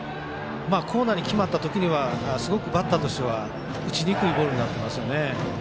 コーナーに決まったときにはすごくバッターとしては打ちにくいボールになってますね。